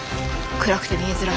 暗くて見えづらい。